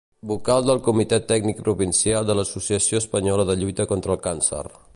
Vocal del comitè tècnic provincial de l'Associació Espanyola de Lluita contra el Càncer.